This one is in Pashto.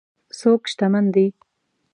څوک شتمن دی.